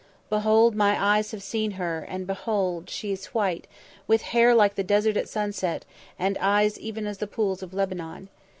Behold, my eyes have seen her, and, behold, she is white, with hair like the desert at sunset, and eyes even as the pools of Lebanon.